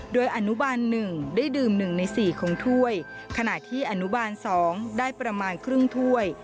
โดยอนุบาล๑ได้ดื่ม๑ใน๔ของถ้วยขณะที่อนุบาล๒ได้ประมาณครึ่งถ้วย